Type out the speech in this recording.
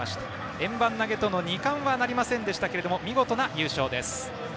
円盤投げとの２冠はなりませんでしたが見事な優勝です。